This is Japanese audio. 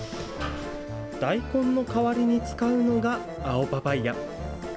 大根の代わりに使うのが青パパイア。